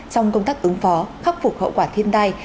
trong công tác ứng phó khắc phục hậu quả thiên tai